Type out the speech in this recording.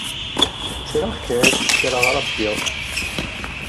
Ttreɣ-ken ttreɣ Ṛebbi.